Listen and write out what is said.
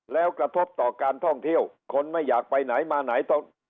แล้วกระทบต่อการท่องเที่ยวคนไม่อยากไปไหนมาไหน